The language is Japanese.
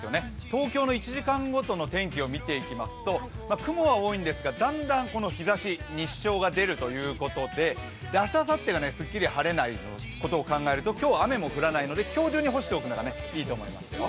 東京の１時間ごとの天気を見てみますと雲は多いんですが、だんだん日ざし日照が出るということで、明日、あさってがすっきり晴れないことを考えると今日、雨も降らないので今日中に干しておくのがいいと思いますよ。